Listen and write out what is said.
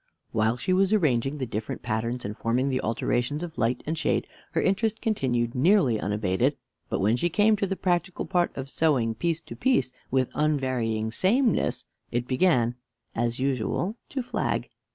While she was arranging the different patterns, and forming the alternations of light and shade, her interest continued nearly unabated; but when she came to the practical part of sewing piece to piece with unvarying sameness, it began, as usual, to flag.